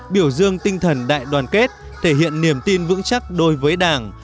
biểu dương tinh thần đại đoàn kết thể hiện niềm tin vững chắc đối với đảng